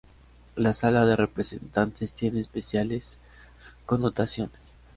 La Sala de Representantes tiene especiales connotaciones.